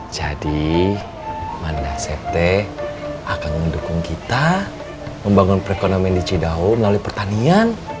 jadi mana sete akan mendukung kita membangun perekonomian di cidao melalui pertanian